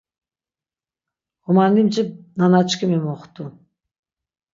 Ğomanlimci nanaçkimi moxtu.